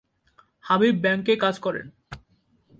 Habib bank কাজ করেন।